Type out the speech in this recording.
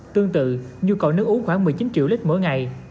tương tự nhu cầu nước uống khoảng một mươi chín triệu lít mỗi ngày